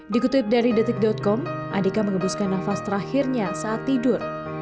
dikutip dari detik com andika mengebuskan nafas terakhirnya saat tidur